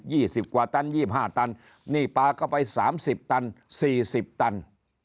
สิบกว่าตันยี่ห้าตันนี่ปลาเข้าไปสามสิบตันสี่สิบตัน